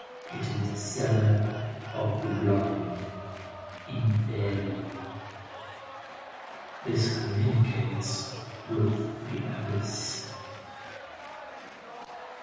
It is the cellar of the blind. Inferi. This communicates with the abyss.